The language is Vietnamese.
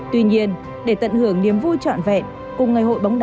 tuy nhiên để tận hưởng niềm vui trọn vẹn